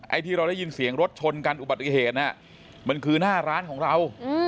ที่เราได้ยินเสียงรถชนกันอุบัติเหตุมันคือหน้าร้านของเรา